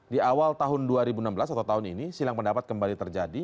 di awal tahun dua ribu enam belas atau tahun ini silang pendapat kembali terjadi